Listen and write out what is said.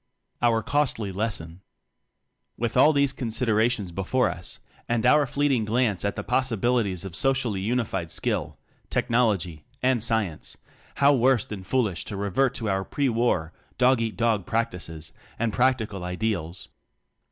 Our Costly Lesson. With all these considerations before us, and our fleeting glance at the pos sibilities of socially unified skill, tech nology, and science, how worse than foolish to revert to our pre War "dog eat dog" practices and practical (?) ideals.